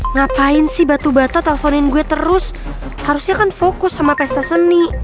ngapain sih batu bata teleponin gue terus harusnya kan fokus sama pesta seni